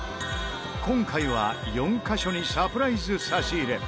今回は４カ所にサプライズ差し入れ。